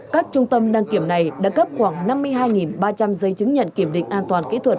các trung tâm đăng kiểm này đã cấp khoảng năm mươi hai ba trăm linh giấy chứng nhận kiểm định an toàn kỹ thuật